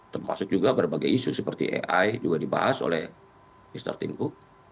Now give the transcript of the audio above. termasuk juga berbagai isu seperti ai juga dibahas oleh mr timku